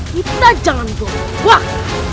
kita jangan berubah